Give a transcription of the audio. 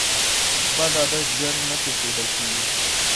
بد عادت ژر نه پرېښودل کېږي